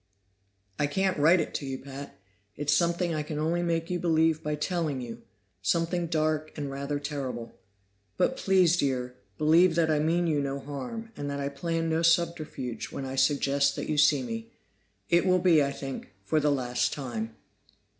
"I can't write it to you, Pat; it's something I can only make you believe by telling you something dark and rather terrible. But please, Dear, believe that I mean you no harm, and that I plan no subterfuge, when I suggest that you see me. It will be, I think, for the last time.